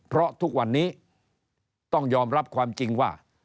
เพราะทุกวันนี้ต้องยอมรับความจริงว่า